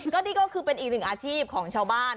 ก็นี่ก็คือเป็นอีกหนึ่งอาชีพของชาวบ้าน